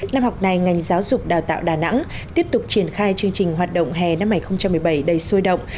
năm học này ngành giáo dục đào tạo đà nẵng tiếp tục triển khai chương trình hoạt động hè năm hai nghìn một mươi bảy đầy sôi động